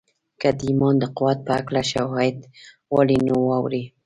که د ایمان د قوت په هکله شواهد غواړئ نو واورئ